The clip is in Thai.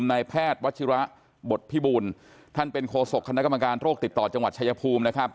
นายแพทย์วัชิระบทพิบูลท่านเป็นโคศกคณะกรรมการโรคติดต่อจังหวัดชายภูมินะครับ